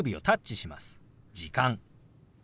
「時間」。